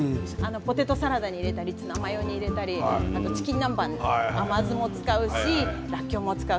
ポテトサラダやツナマヨに入れたり、チキン南蛮甘酢も使うし、らっきょうを使う。